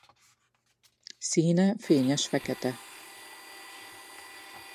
Színe fényes fekete.